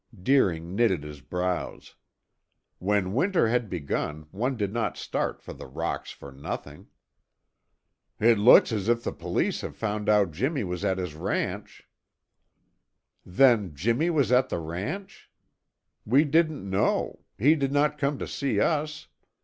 Deering knitted his brows. When winter had begun one did not start for the rocks for nothing. "It looks as if the police have found out Jimmy was at his ranch." "Then, Jimmy was at the ranch? We didn't know; he did not come to see us.